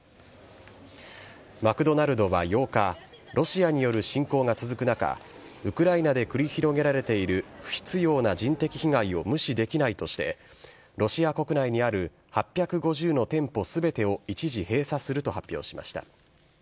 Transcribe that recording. マクドナルドは８日、ロシアによる侵攻が続く中、ウクライナで繰り広げられている不必要な人的被害を無視できないとして、ロシア国内にある８５０の店舗すべてを一時閉鎖すると発表しました。